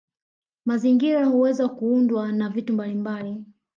Mazingira huweza kuundwa na vitu mbalimbali